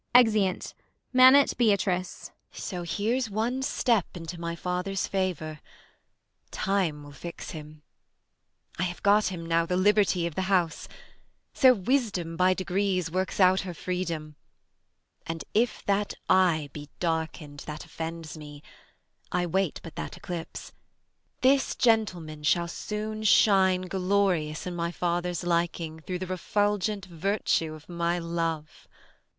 Exeunt. Manet Beatrice. Bea. So, here's one step 10 Into my father's favour; time will fix him. I have got him now the liberty of the house : So wisdom by degrees works out her freedom; And if that eye be darkened that offends me (I wait but that eclipse), this gentleman 1 5 Shall soon shine glorious in my father's liking, Through the refulgent virtue of my love.